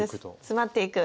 詰まっていく。